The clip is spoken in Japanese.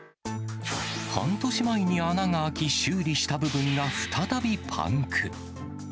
半年前に穴が開き、修理した部分が再びパンク。